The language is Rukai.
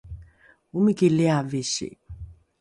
omiki liavisi